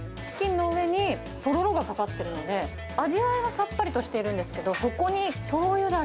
チキンの上にとろろがかかってるので、味わいはさっぱりとしているんですけれども、そこにしょうゆ